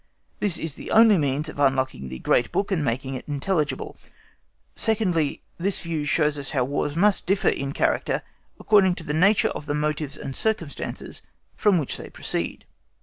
This is the only means of unlocking the great book and making it intelligible. Secondly, this view shows us how Wars must differ in character according to the nature of the motives and circumstances from which they proceed.